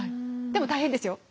でも大変ですよ。